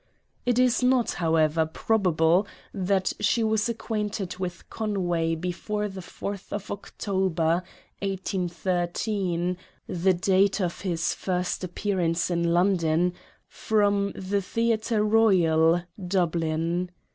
It is not, however, probable that she was ac quainted with Conway before the 4th October, 1813, the date of his first appearance in London, from the Theatre Royal, Dublin.